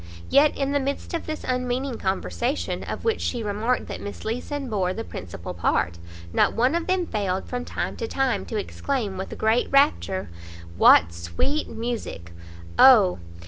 Yet, in the midst of this unmeaning conversation, of which she remarked that Miss Leeson bore the principal part, not one of them failed, from time to time, to exclaim with great rapture "What sweet music! " "Oh!